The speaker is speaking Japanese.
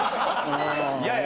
いやいや。